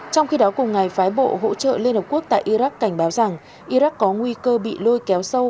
trong khi đó cùng ngày phái bộ hỗ trợ liên hợp quốc tại iraq cảnh báo rằng iraq có nguy cơ bị lôi kéo sâu